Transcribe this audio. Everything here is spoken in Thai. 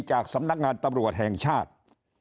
จากสำนักงานตำรวจแห่งชาติ